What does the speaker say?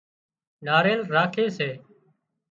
ناۯيل راکي سي